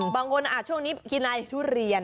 บางคนช่วงนี้กินอะไรทุเรียน